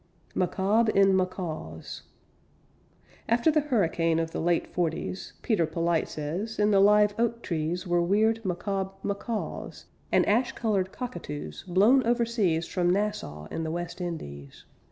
MACABRE IN MACAWS After the hurricane of the late forties, Peter Polite says, in the live oak trees Were weird, macabre macaws And ash colored cockatoos, blown overseas From Nassau and the West Indies.